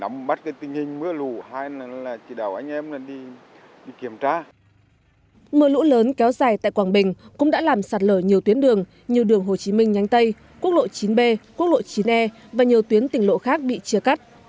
mưa lũ lớn kéo dài tại quảng bình cũng đã làm sạt lở nhiều tuyến đường như đường hồ chí minh nhánh tây quốc lộ chín b quốc lộ chín e và nhiều tuyến tỉnh lộ khác bị chia cắt